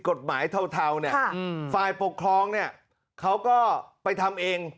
กฎหมายเทาเทาเนี้ยค่ะอืมฝ่ายปกครองเนี้ยเขาก็ไปทำเอง